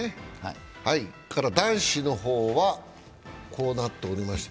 男子の方は、こうなっております。